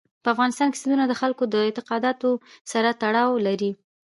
په افغانستان کې سیندونه د خلکو د اعتقاداتو سره تړاو لري.